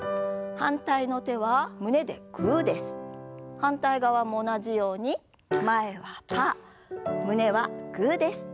反対側も同じように前はパー胸はグーです。